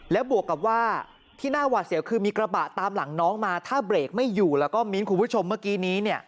แล้วบวกกับว่าที่น่าหวาดเสียวคือมีกระบะตามหลังน้องมาถ้าเบรกไม่อยู่แล้วก็มิ้นท์คุณผู้ชมเมื่อกี้นี้เนี่ย